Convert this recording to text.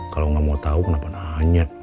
kalau nggak mau tahu kenapa nanya